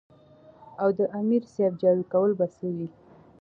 او د امیر صېب جارو کول به څۀ وو ـ